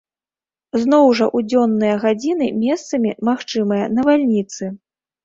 Зноў жа ў дзённыя гадзіны месцамі магчымыя навальніцы.